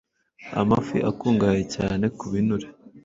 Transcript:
Amafi akungahaye cyane ku binure